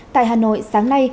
tại hà nội sáng nay